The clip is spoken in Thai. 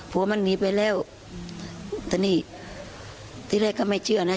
ผัวมันหนีไปแล้วแต่นี่ที่แรกก็ไม่เชื่อนะ